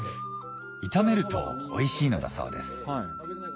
炒めるとおいしいのだそうです